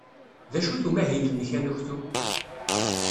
D acu-t umahil-nnek anuktu?